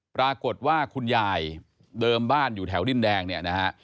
ปรากฏว่าคุณยายเดิมบ้านอยู่แถวดินแดงเนี่ยนะฮะ